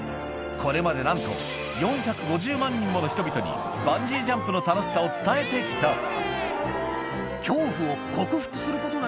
これまでなんと４５０万人もの人々にバンジージャンプの楽しさを伝えて来たいや。